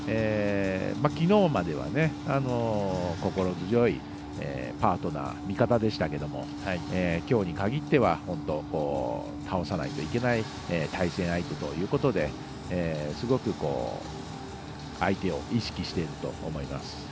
きのうまでは心強いパートナー味方でしたが、きょうに限っては倒さないといけない対戦相手ということですごく相手を意識していると思います。